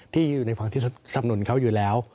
ที่อยู่ในฝั่งที่สำนุนเขาอยู่แล้ว